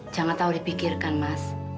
jangan tahu dipikirkan mas